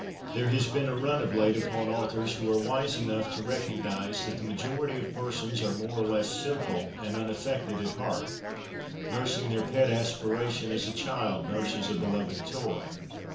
There has been a ' run ' of late upon authors who are wise enough to recognize that the majority of persons are more or less simple and unaffected at heart, nursing their pet aspiration as a child nurses a beloved toy.